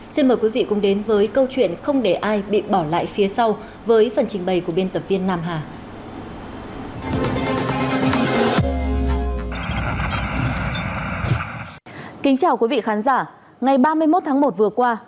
xin mời quý vị cùng đến với câu chuyện không để ai bị bỏ lại phía sau với phần trình bày của biên tập viên nam hà